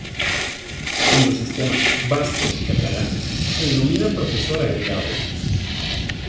En los sistemas vasco y catalán se denomina Profesor Agregado.